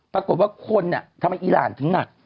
ปรากฏว่าคนทำไมอีรานถึงหนัก